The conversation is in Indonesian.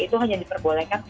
itu hanya diperbolehkan